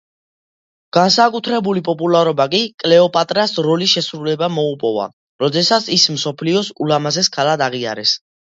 განსაკუთრებული პოპულარობა კი კლეოპატრას როლის შესრულებამ მოუპოვა, როდესაც ის მსოფლიოს ულამაზეს ქალად აღიარეს.